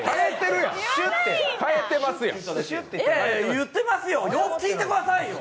言ってますよ、よく聞いてくださいよ。